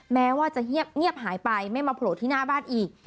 แม้ว่าจะเงียบหายไปไม่มาโผล่ที่หน้าบ้านอีก